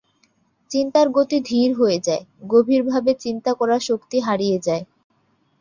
চিন্তার গতি ধীর হয়ে যায়, গভীরভাবে চিন্তা করার শক্তি হারিয়ে যায়।